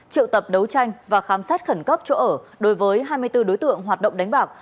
triệu tập đấu tranh và khám xét khẩn cấp chỗ ở đối với hai mươi bốn đối tượng hoạt động đánh bạc